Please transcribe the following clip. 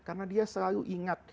karena dia selalu ingat